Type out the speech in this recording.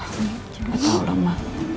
tidak tahu lama